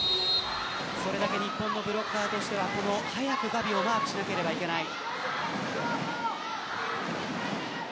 それだけ日本のブロッカーとしては早くガビをマークしなければいけません。